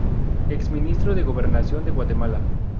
Ex Ministro de Gobernación de Guatemala.